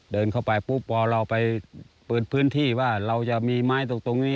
เดินเข้าไปปุ๊บพอเราไปเปิดพื้นที่ว่าเราจะมีไม้ตรงนี้